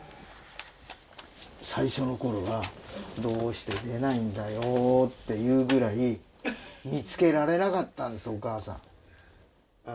最初の頃はどうして出ないんだよっていうぐらい見つけられなかったんですお母さん。